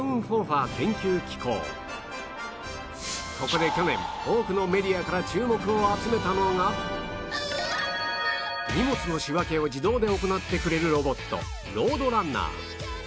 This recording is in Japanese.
ここで去年多くのメディアから注目を集めたのが荷物の仕分けを自動で行ってくれるロボットロードランナー